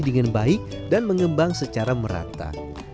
dengan baik dan mengembang secara merata